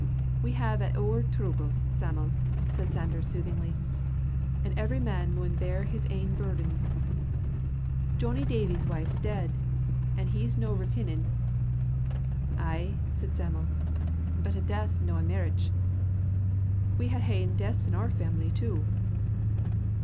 "We have a' oor troubles, Sam'l," said Sanders, soothingly, "an' every man maun bear his ain burdens. Johnny Davie's wife's dead, an' he's no repinin'." "Ay," said Sam'l, "but a death's no a mairitch. We hae haen deaths in our family, too."